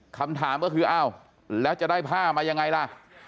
คำถามก็คืออ้าวแล้วจะได้ผ้ามายังไงล่ะ